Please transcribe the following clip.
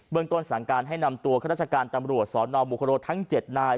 เมืองต้นสั่งการให้นำตัวข้าราชการตำรวจสนบุคโรทั้ง๗นาย